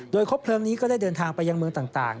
โดยครบเพลิงนี้ก็ได้เดินทางไปยังเมืองต่าง